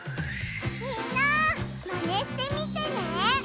みんなマネしてみてね！